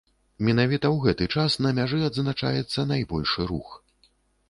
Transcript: Менавіта ў гэты час на мяжы адзначаецца найбольшы рух.